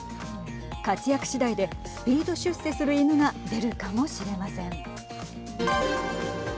活躍次第でスピード出世する犬が出るかもしれません。